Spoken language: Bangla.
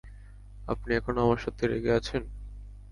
আপনি এখনো আমার সাথে রেগে আছেন?